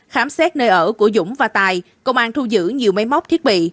khám xét nơi ở của dũng và tài công an thu giữ nhiều máy móc thiết bị